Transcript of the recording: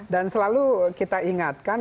dan selalu kita ingatkan